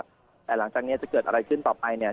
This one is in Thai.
แต่หลังจากนี้จะเกิดอะไรขึ้นต่อไปเนี่ย